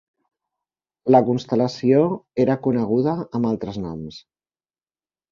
La constel·lació era coneguda amb altres noms.